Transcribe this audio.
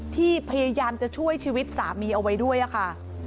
ที่พยายามจะช่วยชีวิตสามีเอาไว้ด้วยค่ะ